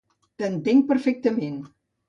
T'entenc perfectament.